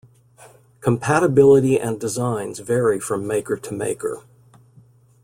Compatibility and designs vary from maker to maker.